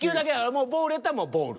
もうボールやったらボール。